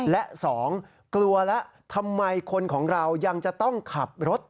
และ๒กลัวแล้วทำไมคนของเรายังจะต้องขับรถ